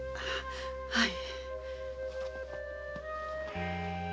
はい。